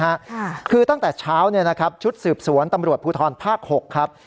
ค่ะคือตั้งแต่เช้าเนี่ยนะครับชุดสืบสวนตำรวจภูทรภาคหกครับ